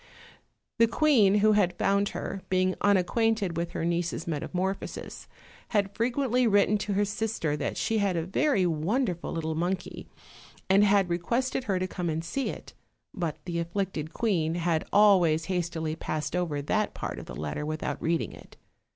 The queen who had found her, being unacquainted with her niece's metamorphosis, had frequently written to her sister that she had a very wonderful little monkey, and had re quested her to come and see it; but the afflicted queen had always hastily passed over that part of the lette r with out reading it.